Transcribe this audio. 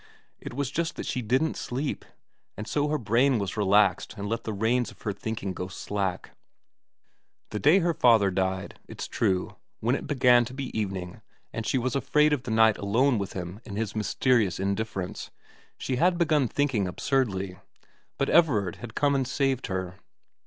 It was just that she didn't sleep, and so her brain was relaxed and let the reins of her thinking go slack. The day her father died, it's true, when it began to be evening and she was afraid of the night alone with him in his mysterious indifference, she had begun thinking absurdly, but Everard had come and saved her.